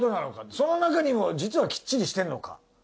その中にも実はきっちりしてるのか。